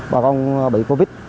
bà con bị covid